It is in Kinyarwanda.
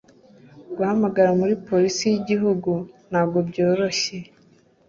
guhamagara muri polisi y ‘igihugu ntagobyoroshye.